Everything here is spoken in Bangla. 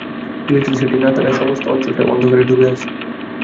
ইলেকট্রিসিটি না থাকায় সমস্ত অঞ্চলটাই অন্ধকারে ডুবে আছে।